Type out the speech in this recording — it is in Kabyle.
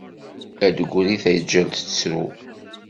Ad d-tegri tağğalt tettru.